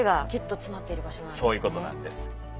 そういうことなんです。